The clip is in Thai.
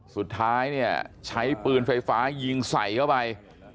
สุดท้ายเนี่ยใช้ปืนไฟฟ้ายิงใส่เข้าไป